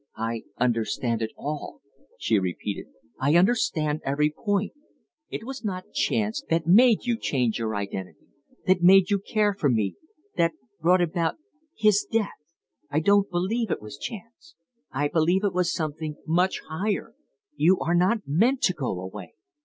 "I understand it all," she repeated. "I understand every point. It was not Chance that made you change your identity, that made you care for me, that brought about his death. I don't believe it was Chance; I believe it was something much higher. You are not meant to go away!"